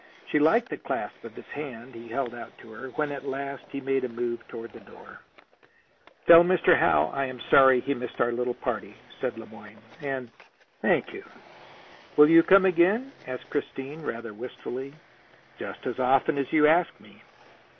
She liked the clasp of the hand he held out to her, when at last he made a move toward the door. "Tell Mr. Howe I am sorry he missed our little party," said Le Moyne. "And thank you." "Will you come again?" asked Christine rather wistfully. "Just as often as you ask me."